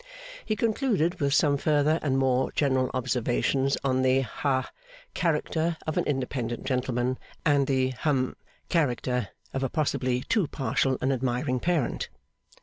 He concluded with some further and more general observations on the ha character of an independent gentleman, and the hum character of a possibly too partial and admiring parent.